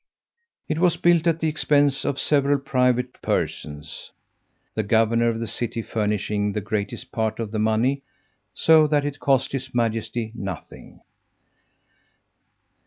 It was built at the expense of several private persons, the governor of the city furnishing the greatest part of the money; so that it cost his Majesty nothing.